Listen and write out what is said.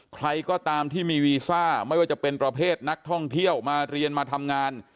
ใครก็ตามที่มีวีซ่าไม่ว่าจะเป็นประเภทนักท่องเที่ยวมาเรียนมาทำงาน